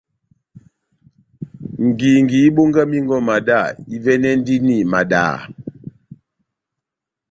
Ngingi ibongamingɛ ó madá, ivɛ́nɛndini madaha.